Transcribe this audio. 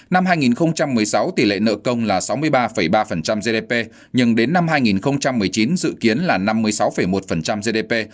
năm hai nghìn một mươi sáu tỷ lệ nợ công là sáu mươi ba ba gdp nhưng đến năm hai nghìn một mươi chín dự kiến là năm mươi sáu một gdp